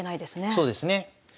そうですね。